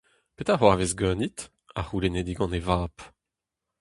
Petra 'c'hoarvez ganit ? a c'houlenne digant e vab.